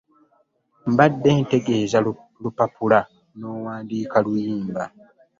Mbadde ntegeza lupapula n'owandiika luyimba .